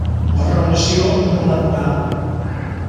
La relació no va durar.